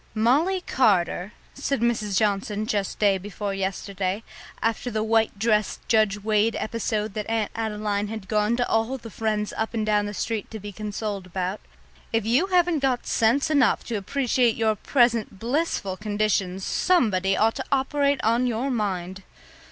"Molly Carter," said Mrs. Johnson just day before yesterday, after the white dress, Judge Wade episode that Aunt Adeline had gone to all the friends up and down the street to be consoled about, "if you haven't got sense enough to appreciate your present blissful condition, somebody ought to operate on your mind."